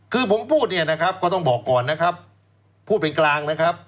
คือผมพูดก็ต้องบอกก่อนนะครับพูดเป็นกลางนะครับ